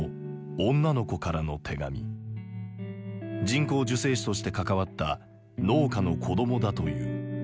人工授精師として関わった農家の子どもだという。